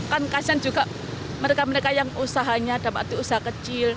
kan kasihan juga mereka mereka yang usahanya dalam arti usaha kecil